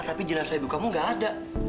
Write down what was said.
tapi jelasnya ibu kamu gak ada